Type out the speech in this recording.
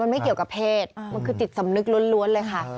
มันไม่เกี่ยวกับเพศมันคือจิตสำนึกล้วนเลยค่ะ